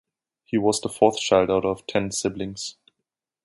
He was the fourth child out of ten siblings.